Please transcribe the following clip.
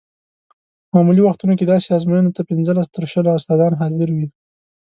معمولي وختونو کې داسې ازموینو ته پنځلس تر شلو استادان حاضر وي.